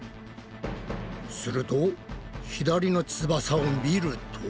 すると左の翼を見ると。